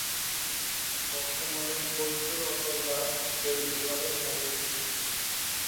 বর্তমানে বৈদ্য রতন দাস সেই দোকানের মালিক।